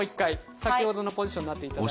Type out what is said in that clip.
先ほどのポジションになっていただいて。